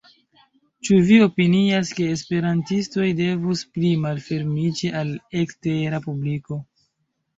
Ĉu vi opinias ke esperantistoj devus pli malfermiĝi al ekstera publiko?